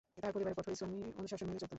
তার পরিবার কঠোর ইসলামি অনুশাসন মেনে চলত।